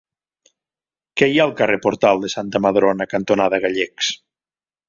Què hi ha al carrer Portal de Santa Madrona cantonada Gallecs?